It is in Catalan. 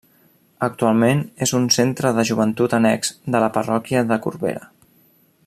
Actualment és un centre de joventut annex de la Parròquia de Corbera.